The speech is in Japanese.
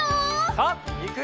さあいくよ！